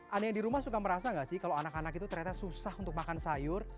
anda yang di rumah suka merasa nggak sih kalau anak anak itu ternyata susah untuk makan sayur